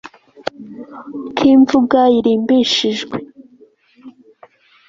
Ko imva ubwayo irimbishijwe